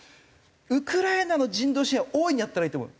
ウクライナへの人道支援は大いにやったらいいと思う。